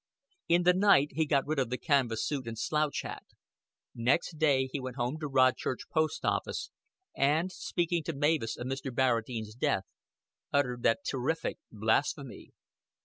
In the night he got rid of the canvas suit and slouch hat. Next day he went home to Rodchurch Post Office, and, speaking to Mavis of Mr. Barradine's death, uttered that terrific blasphemy.